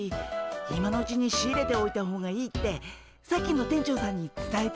今のうちに仕入れておいた方がいいってさっきの店長さんにつたえておこうかなあ。